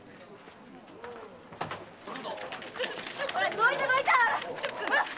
どいたどいた。